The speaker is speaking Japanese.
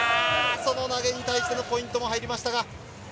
投げに対してのポイントも入りました。